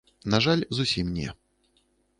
На жаль, зусім не.